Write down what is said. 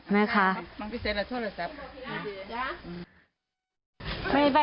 มันพิเศษหรือโชคหรือแซ่บ